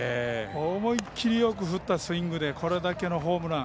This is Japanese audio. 思い切りよく振ったスイングでこれだけのホームラン。